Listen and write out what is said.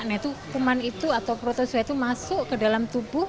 nah itu kuman itu atau protosua itu masuk ke dalam tubuh